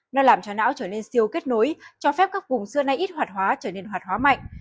nó làm cho não trở nên siêu kết nối cho phép các vùng xưa nay ít hoạt hóa trở nên hoạt hóa mạnh